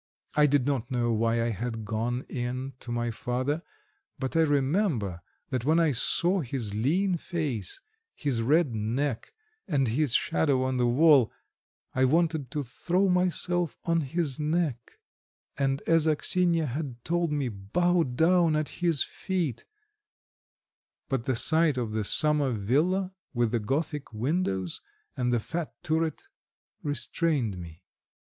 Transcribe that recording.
I did not know why I had gone in to my father, but I remember that when I saw his lean face, his red neck, and his shadow on the wall, I wanted to throw myself on his neck, and as Axinya had told me, bow down at his feet; but the sight of the summer villa with the Gothic windows, and the fat turret, restrained me.